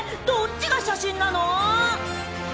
どっちが写真なの？］